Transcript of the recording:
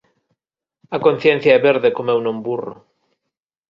A conciencia é verde e comeuna un burro.